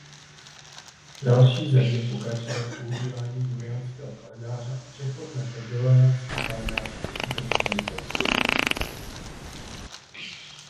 Další země pokračovaly v používání juliánského kalendáře a přechod na gregoriánský kalendář uskutečnily později.